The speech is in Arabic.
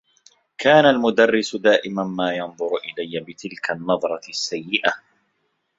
كان المدرّس دائما ما ينظر إليّ بتلك النّظرة السّيّئة.